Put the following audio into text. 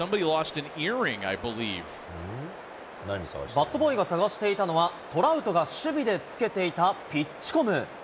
バットボーイが探していたのはトラウトが守備で付けていたピッチコム。